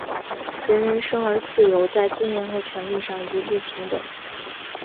人人生而自由,在尊严和权利上一律平等。